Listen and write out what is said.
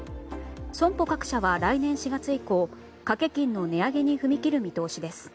損保各社は来年４月以降掛け金の値上げに踏み切る見通しです。